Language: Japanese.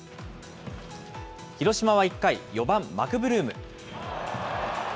広島は１回、４番マクブルーム。